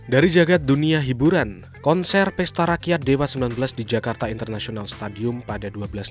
dari jagad dunia hiburan konser pesta rakyat dewa xix di jakarta international stadium pada dua belas maret